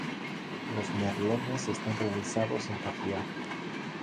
Los merlones están realizados en tapial.